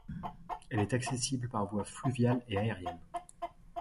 Elle est accessible par voie fluviale et aérienne.